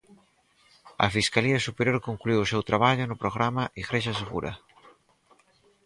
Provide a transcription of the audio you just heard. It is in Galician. A Fiscalía Superior concluíu o seu traballo no programa Igrexa Segura.